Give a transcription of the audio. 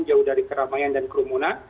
jauh dari keramaian dan kerumunan